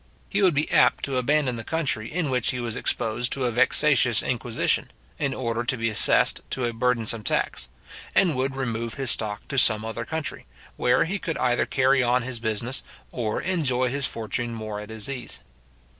He would be apt to abandon the country in which he was exposed to a vexatious inquisition, in order to be assessed to a burdensome tax; and would remove his stock to some other country, where he could either carry on his business, or enjoy his fortune more at his ease.